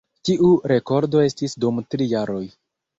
Tiu rekordo restis dum tri jaroj.